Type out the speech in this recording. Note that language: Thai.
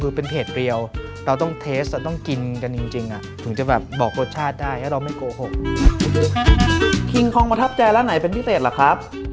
คิงคลองประทับใจร้านไหนเป็นพี่เตศหรอครับ